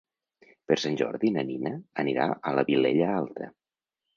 Per Sant Jordi na Nina anirà a la Vilella Alta.